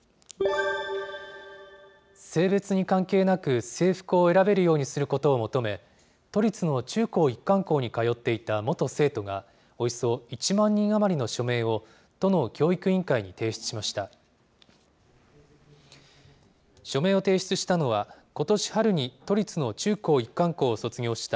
性別に関係なく制服を選べるようにすることを求め、都立の中高一貫校に通っていた元生徒が、およそ１万人余りの署名を都の教育委員会に提出しました。